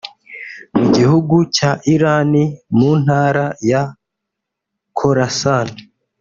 Mu gihugu cya Iran mu ntara ya Khorasan